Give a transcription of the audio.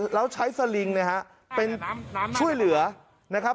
แล้วใช้สลิงเป็นช่วยเหลือนะครับ